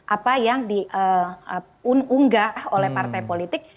apa yang diunggah oleh partai politik